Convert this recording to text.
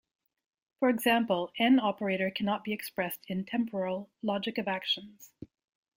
For example, N operator cannot be expressed in Temporal Logic of Actions.